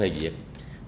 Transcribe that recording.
và đề sức về một đơn vị